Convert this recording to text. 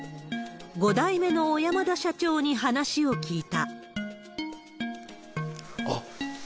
５代目の小山田社長に話を聞いた。